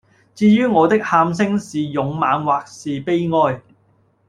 至于我的喊聲是勇猛或是悲哀，